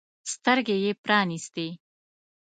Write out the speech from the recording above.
سترګې يې پرانیستې.